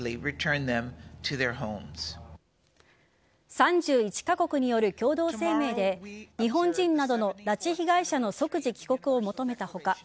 ３１カ国による共同声明で日本人などの拉致被害者の即時帰国を求めた他